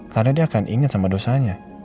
karena dia akan inget sama dosanya